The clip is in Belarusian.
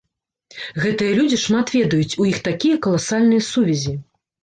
Гэтыя людзі шмат ведаюць, у іх такія каласальныя сувязі.